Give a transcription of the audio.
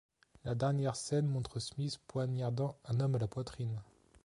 La dernière scène montre Smith poignardant un homme à la poitrine.